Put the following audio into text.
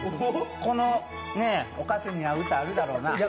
このお菓子に合う歌あるだろうな。